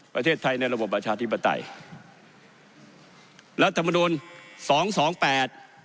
ประเทศไทยในระบบประชาธิปไตยรัฐมนุนสองสองแปด